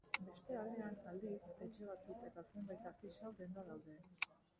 Beste aldean, aldiz, etxe batzuk eta zenbait artisau denda daude.